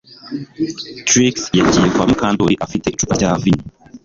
Trix yagiye kwa Mukandoli afite icupa rya vino